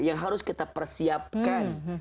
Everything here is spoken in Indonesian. yang harus kita persiapkan